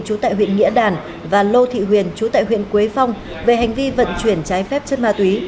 trú tại huyện nghĩa đàn và lô thị huyền chú tại huyện quế phong về hành vi vận chuyển trái phép chất ma túy